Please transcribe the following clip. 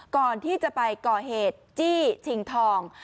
ก่อนที่จะไปก่อเหตุจี้ชิงทอง